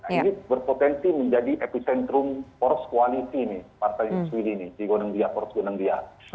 ini berpotensi menjadi epicentrum foros koalisi nih partai mas wili ini di gondeng bia foros gondeng bia